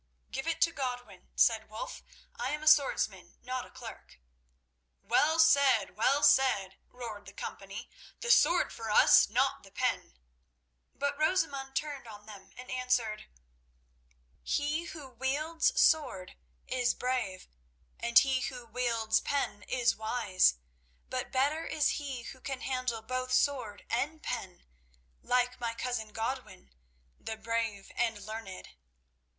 "Give it to Godwin," said Wulf. "I am a swordsman, not a clerk." "Well said! well said!" roared the company. "The sword for us—not the pen!" But Rosamund turned on them and answered: "He who wields sword is brave, and he who wields pen is wise, but better is he who can handle both sword and pen—like my cousin Godwin, the brave and learned."